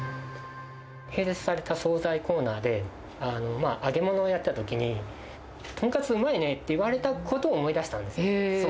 併設された総菜コーナーで、揚げ物をやってたときに、トンカツうまいねって言われたことを思い出したんですよ。